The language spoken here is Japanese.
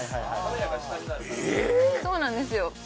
そうなんですよ